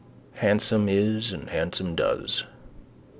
Handsome is and handsome does.